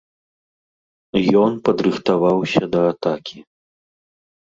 Ён падрыхтаваўся да атакі.